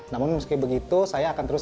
namun meski begitu saya akan terus